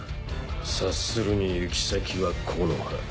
察するに行き先は木ノ葉。